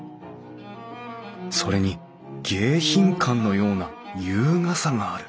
それに迎賓館のような優雅さがある